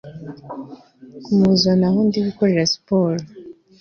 Kumuzana aho ndigukorera siporo